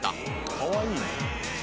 「かわいいね」